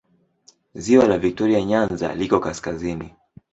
Ziwa la Viktoria Nyanza liko kaskazini.